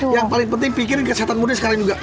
yang paling penting pikir kesehatan muda sekarang juga